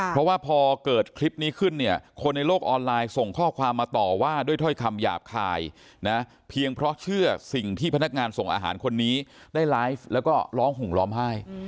เพราะว่าพอเกิดคลิปนี้ขึ้นเนี่ยคนในโลกออนไลน์ส่งข้อความมาต่อว่าด้วยถ้อยคำหยาบคายนะเพียงเพราะเชื่อสิ่งที่พนักงานส่งอาหารคนนี้ได้ไลฟ์แล้วก็ร้องห่มร้องไห้